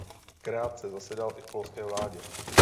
Krátce zasedal i v polské vládě.